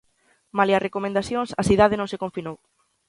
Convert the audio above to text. Malia as recomendacións, a cidade non se confinou.